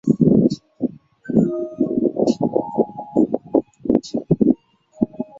东京电机大学短期大学是过去一所位于日本东京都千代田区的私立短期大学。